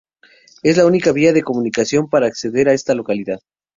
Es la única vía de comunicación para acceder a esta localidad.